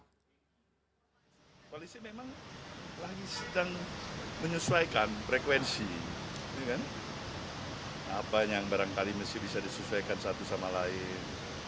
polisi memang sedang menyesuaikan frekuensi apa yang barangkali mesti bisa disesuaikan satu sama lain